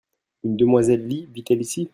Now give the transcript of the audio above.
Une demoiselle Lee vit-elle ici ?